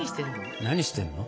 何してるの？